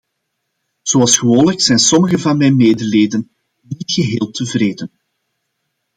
Zoals gewoonlijk zijn sommige van mijn medeleden niet geheel tevreden.